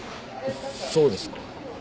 そうですか？